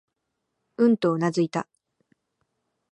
うん、とうなずいた。